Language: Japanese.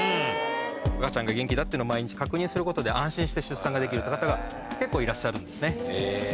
赤ちゃんが元気だっていうのを毎日確認することで安心して出産できるっていう方が結構いらっしゃるんですね。